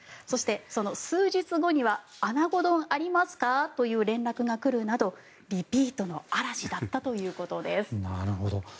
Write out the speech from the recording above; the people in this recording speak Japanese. そして、その数日後にはアナゴ丼ありますかという連絡が来るなどリピートの嵐だったということです。